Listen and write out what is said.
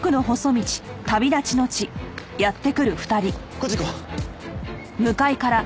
こっちに行こう。